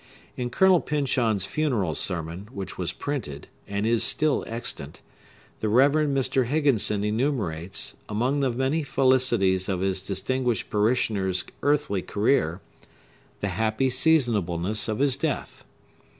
In Colonel Pyncheon's funeral sermon, which was printed, and is still extant, the Rev. Mr. Higginson enumerates, among the many felicities of his distinguished parishioner's earthly career, the happy seasonableness of his death.